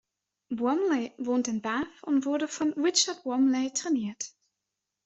Bromley wohnt in Bath und wurde von Richard Bromley trainiert.